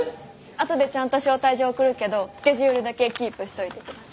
あとでちゃんと招待状送るけどスケジュールだけキープしといて下さい。